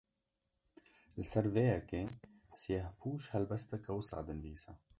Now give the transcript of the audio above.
Li ser vê yekê, Siyehpûş helbesteke wisa dinivîse